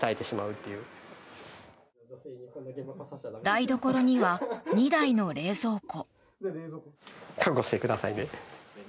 台所には２台の冷蔵庫。